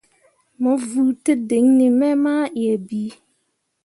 Mo vuu tǝdiŋni me mah yie bii.